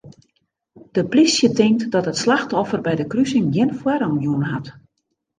De plysje tinkt dat it slachtoffer by de krusing gjin foarrang jûn hat.